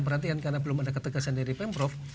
perhatian karena belum ada ketegasan dari pemprov